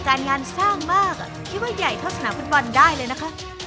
การงานสร้างมากคิดว่าใหญ่เท่าสนามฟุตบอลได้เลยนะคะ